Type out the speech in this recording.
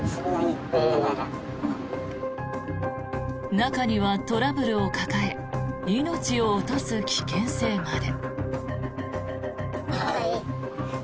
中にはトラブルを抱え命を落とす危険性まで。